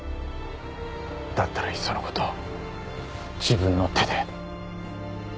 だったらいっそのこと自分の手で。